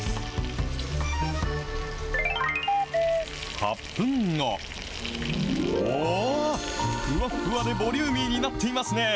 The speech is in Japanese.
８分後、おぉー、ふわふわでボリューミーになっていますね。